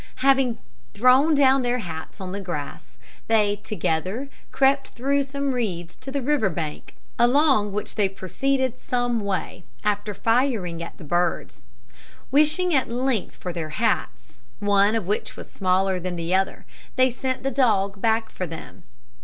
Having thrown down their hats on the grass, they together crept through some reeds to the river bank, along which they proceeded some way, after firing at the birds. Wishing at length for their hats one of which was smaller than the other they sent the dog back for them.